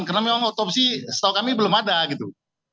karena memang otopsi setahu kami belum ada gitu